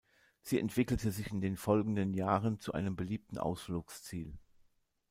Sie entwickelte sich in den folgenden Jahren zu einem beliebten Ausflugsziel.